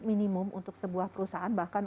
minimum untuk sebuah perusahaan bahkan